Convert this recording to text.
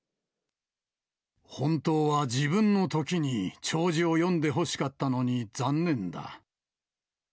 本当は自分のときに弔辞を読んでほしかったのに残念だ。